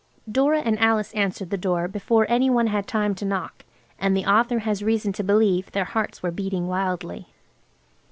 Dora and Alice answered the door before any one had time to knock, and the author has reason to believe their hearts were beating wildly.